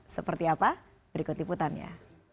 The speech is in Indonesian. seperti apa berikut liputannya